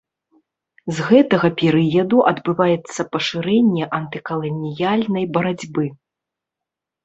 З гэтага перыяду адбываецца пашырэнне антыкаланіяльнай барацьбы.